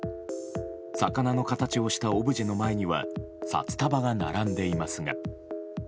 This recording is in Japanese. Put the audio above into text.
魚の形をしたオブジェの前には札束が並んでいますが。